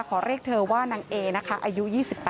ขอเรียกเธอว่านางเอนะคะอายุ๒๘